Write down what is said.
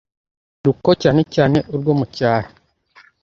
Ati “Urubyiruko cyane cyane urwo mu cyaro